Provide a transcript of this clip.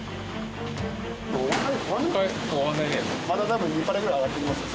まだ多分２パレぐらい上がってきますよ。